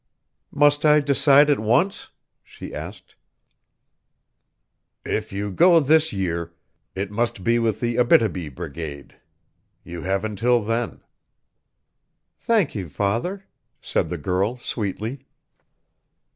"Must I decide at once?" she asked. "If you go this year, it must be with the Abítibi brigade. You have until then." "Thank you, father," said the girl, sweetly.